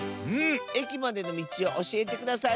えきまでのみちをおしえてください。